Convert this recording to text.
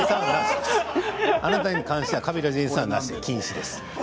あなたに関しては川平慈英さんは禁止です。